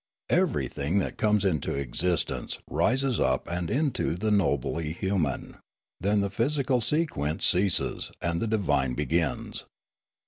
Everything that comes into existence rises up and into the nobly human ; then the physical sequence ceases and the divine begins.